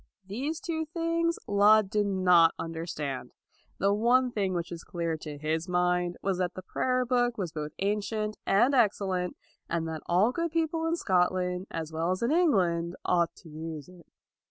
These two things Laud did not under stand. The one thing which was clear to his mind was that the prayer book was both ancient and excellent, and that all good people in Scotland as well as in England, ought to use it.